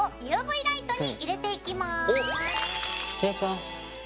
失礼します。